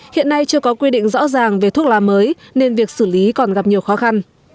hiện nay chưa có quy định rõ ràng về thuốc lá mới nên việc xử lý còn gặp nhiều khó khăn